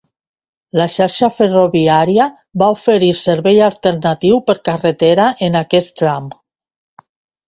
La xarxa ferroviària va oferir servei alternatiu per carretera en aquest tram.